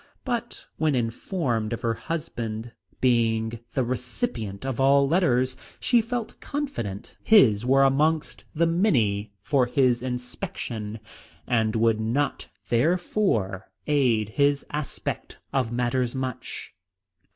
But when informed of her husband being the recipient of all letters, she felt confident his were amongst the many for his inspection, and would not therefore aid his aspect of matters much.